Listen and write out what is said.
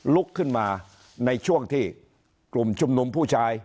ลุกขึ้นมาในช่วงที่กลุ่มชุมนุมผู้ชาย